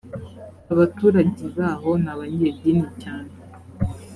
abaturage baho ni abanyedini cyane